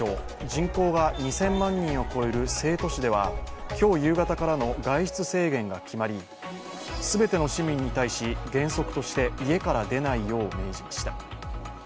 人口が２０００万人を超える成都市では今日夕方からの外出制限が決まり、全ての市民に対し原則として家から出ないよう命じました。